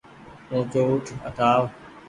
اُوچو اُٺ اٺ آو